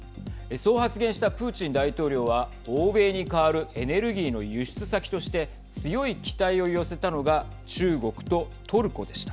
そう発言したプーチン大統領は欧米に代わるエネルギーの輸出先として強い期待を寄せたのが中国とトルコでした。